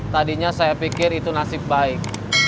tadinya saya pikir itu nasib baik